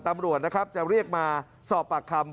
ตำรวจนะครับจะเรียกมาสอบปากคำ